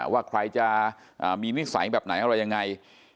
ว่าใครจะมีนิสัยแบบไหนอะไรยังไง